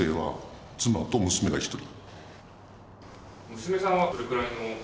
娘さんはどれくらいの？